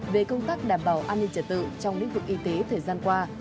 về công tác đảm bảo an ninh trật tự trong lĩnh vực y tế thời gian qua